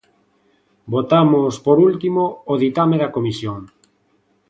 Votamos, por último, o ditame da Comisión.